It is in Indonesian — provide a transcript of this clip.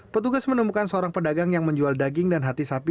petugas menemukan seorang pedagang yang menjual daging dan hati sapi